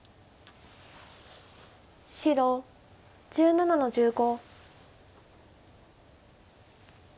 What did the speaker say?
白１７の十五。